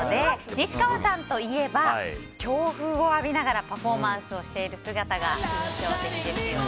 西川さんといえば強風を浴びながらパフォーマンスをしている姿が印象的ですよね。